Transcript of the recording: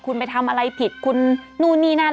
คุณไปทำอะไรผิดคุณนู่นนี่นั่น